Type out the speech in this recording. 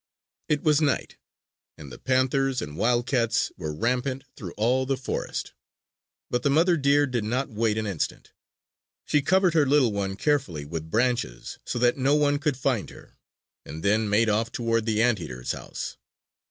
It was night; and the panthers and wildcats were rampant through all the forest; but the mother deer did not wait an instant. She covered her little one carefully with branches so that no one could find her, and then made off toward the Anteater's house.